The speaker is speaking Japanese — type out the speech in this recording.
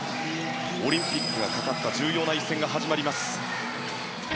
オリンピックがかかった重要な一戦が始まります。